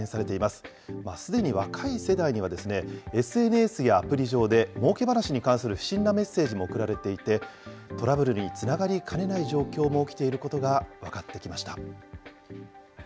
すでに若い世代にはですね、ＳＮＳやアプリ上で、もうけ話に関する不審なメッセージも送られていて、トラブルにつながりかねない状況も起きていることが分かってきました。